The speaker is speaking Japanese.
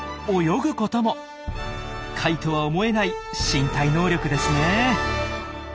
貝とは思えない身体能力ですね。